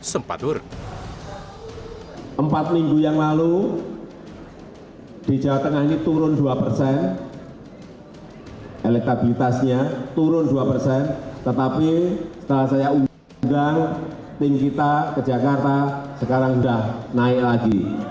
tetapi setelah saya umumkan ping kita ke jakarta sekarang sudah naik lagi